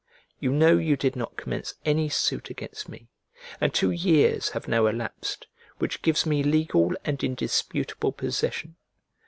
You know you did not commence any suit against me, and two years have now elapsed, which gives me legal and indisputable possession.